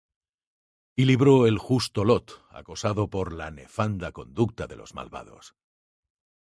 Y libró al justo Lot, acosado por la nefanda conducta de los malvados;